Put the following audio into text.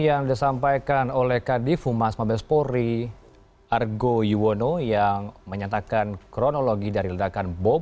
yang disampaikan oleh kadif humas mabespori argo yuwono yang menyatakan kronologi dari ledakan bom